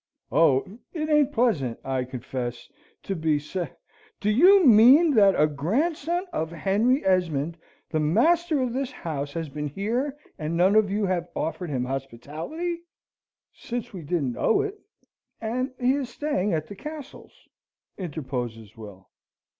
"Oh! it ain't pleasant, I confess, to be se " "Do you mean that a grandson of Henry Esmond, the master of this house, has been here, and none of you have offered him hospitality?" "Since we didn't know it, and he is staying at the Castles?" interposes Will.